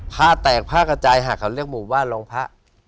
ผ้าแตกผ้ากระจายหากเขาเรียกหมู่บ้านรองพระ